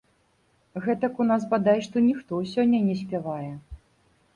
Гэтак у нас, бадай што, ніхто сёння не спявае.